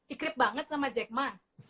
ikrip banget sama jekma